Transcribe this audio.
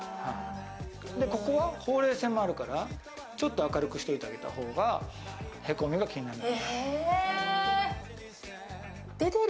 ここはほうれい線もあるから、ちょっと明るくしておいてあげた方がへこみが気にならない。